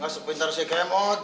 gak sepintar si kemot